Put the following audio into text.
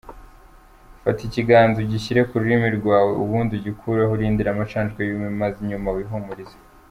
Fata ikiganza ugishyire ku rurimi rwawe ubundi ugikureho urindire amacandwe yume, nyuma wihumurize.